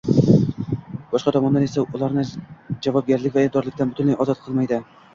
boshqa tomondan esa ularni javobgarlik va aybdorlikdan butunlay ozod qilmaydi